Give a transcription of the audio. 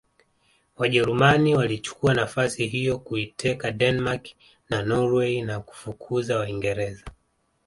Wajerumani walichukua nafasi hiyo kuiteka Denmark na Norway na kufukuza Waingereza